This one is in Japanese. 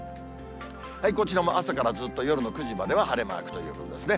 こちらも朝からずっと夜の９時までは晴れマークということですね。